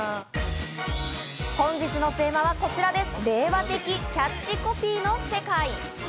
本日のテーマはこちらです。